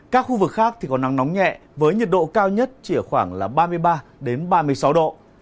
các khu vực khác thì có nắng nóng nhẹ với nhiệt độ cao nhất chỉ ở khoảng ba mươi ba ba mươi sáu độ